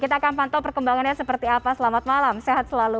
kita akan pantau perkembangannya seperti apa selamat malam sehat selalu